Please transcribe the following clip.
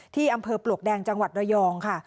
ที่อำเภอปลวกแดงจังหวัดระยองค่ะ